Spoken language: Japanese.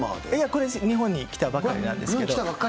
これ日本に来たばかりなんですけど。